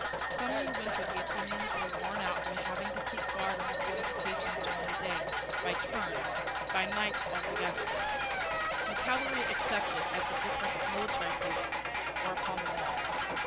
Summer and winter the Athenians were worn out by having to keep guard on the fortifications, during the day by turns, by night all together, the cavalry excepted, at the different military posts or upon the wall.